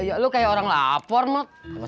maksudnya kau lalu unduriager